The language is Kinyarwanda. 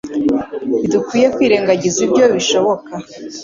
Ntidukwiye kwirengagiza ibyo bishoboka